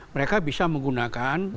mereka bisa menggunakan